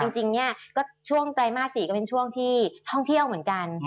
จริงเนี่ยก็ช่วงไตรมาส๔ก็เป็นช่วงที่ท่องเที่ยวเหมือนกัน